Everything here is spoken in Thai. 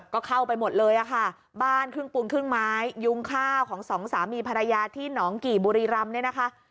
ก็เข้าไปหมดเลยอะค่ะบ้านครึ่งปูนครึ่งไม้ยุงข้าวของสองสามีภรรยาที่หนองกี่บุรีรำเนี่ยนะคะ